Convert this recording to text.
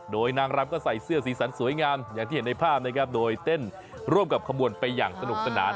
โดยนางรำก็ใส่เสื้อสีสันสวยงามอย่างที่เห็นในภาพนะครับโดยเต้นร่วมกับขบวนไปอย่างสนุกสนาน